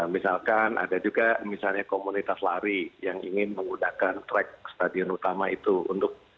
misalkan ada juga misalnya komunitas lari yang ingin menggunakan track stadion utama itu untuk